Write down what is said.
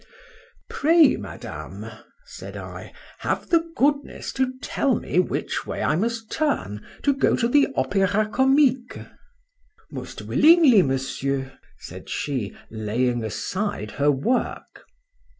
—Pray, Madame, said I, have the goodness to tell me which way I must turn to go to the Opéra Comique?—Most willingly, Monsieur, said she, laying aside her work.